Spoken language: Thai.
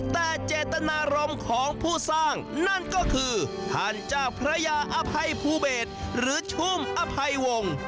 แต่เจตนารมณ์ของผู้สร้างนั่นก็คือท่านเจ้าพระยาอภัยภูเบศหรือชุ่มอภัยวงศ์